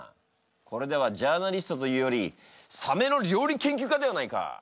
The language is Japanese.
これではジャーナリストというよりサメの料理研究家ではないか！